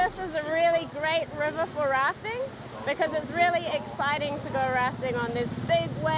saya pikir ini adalah sungai yang sangat bagus untuk menarik wisatawan